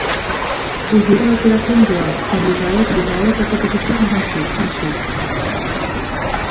Coincidió con la operación Yoav, cuando Israel atacó posiciones egipcias más al sur.